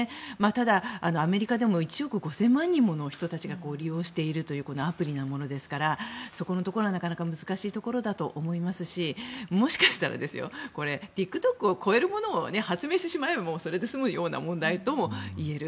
ただ、アメリカでも１億５０００万人もの人たちが利用しているというこのアプリなものですからそこのところはなかなか難しいところだと思いますしもしかしたらＴｉｋＴｏｋを超えるものを発明してしまえばそれで済むような問題ともいえる。